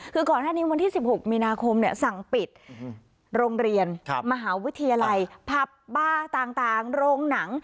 คือก่อนหน้านี้วันที่๑๖มีนาคมสั่งปิดโรงเรียนมหาวิทยาลัยผับบาร์ต่างโรงหนัง